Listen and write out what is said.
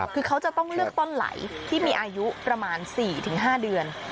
คือเขาจะต้องเลือกต้นไหลที่มีอายุประมาณ๔๕เดือน